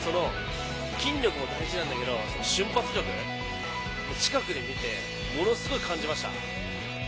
筋力も大事なんだけど瞬発力、近くで見てものすごく感じました。